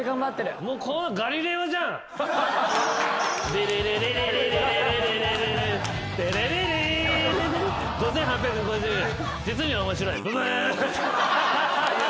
「デレレレレレレレレ」５，８５０円。